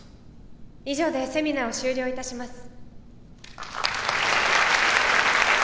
以上でセミナーを終了致します。